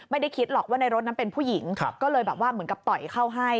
ไม่ได้คิดหรอกว่าในรถนั้นเป็นผู้หญิงก็เลยแบบว่าเหมือนกับต่อยเข้าให้